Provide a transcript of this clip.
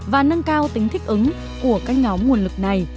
và nâng cao tính thích ứng của các nhóm nguồn lực này